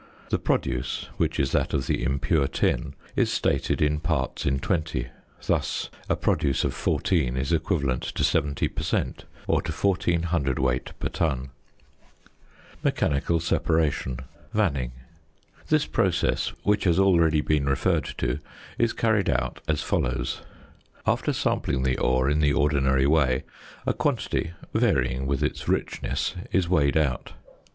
The produce, which is that of the impure tin, is stated in parts in twenty; thus a produce of 14 is equivalent to 70 per cent., or to 14 cwt. per ton. [Illustration: FIG. 57.] MECHANICAL SEPARATION. VANNING. This process, which has already been referred to, is carried out as follows: After sampling the ore in the ordinary way, a quantity (varying with its richness) is weighed out.